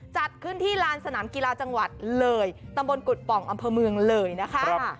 จัดขึ้นที่ลานสนามกีฬาจังหวัดเลยตำบลกุฎป่องอำเภอเมืองเลยนะคะ